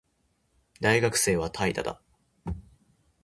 大学生は怠惰だ